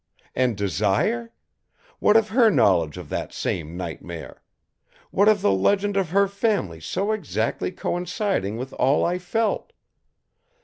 And Desire? What of her knowledge of that same nightmare? What of the legend of her family so exactly coinciding with all I felt?